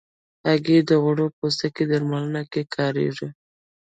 هګۍ د غوړ پوستکي درملنه کې کارېږي.